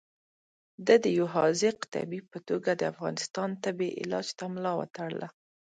ده د یو حاذق طبیب په توګه د افغانستان تبې علاج ته ملا وتړله.